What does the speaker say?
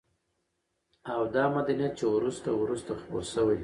او دا مدنيت چې وروسته وروسته خپور شوى